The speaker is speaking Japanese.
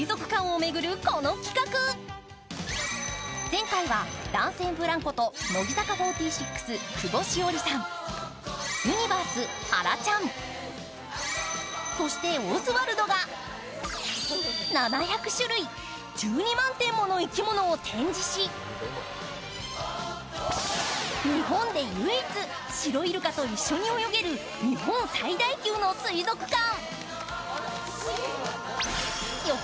前回は、男性ブランコと乃木坂４６、久保史緒里さんゆにばーす・はらちゃん、そしてオズワルドが７００種類、１２万点もの生き物を展示し日本で唯一シロイルカと一緒に泳げる日本最大級の水族館。